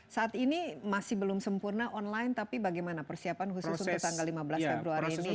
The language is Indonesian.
saat ini masih belum sempurna online tapi bagaimana persiapan khusus untuk tanggal lima belas februari ini